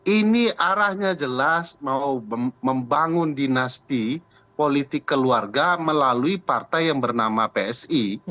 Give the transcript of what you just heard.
ini arahnya jelas mau membangun dinasti politik keluarga melalui partai yang bernama psi